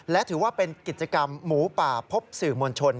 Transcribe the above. และถือว่าเป็นกิจกรรมหมูป่าพบสื่อมวลชน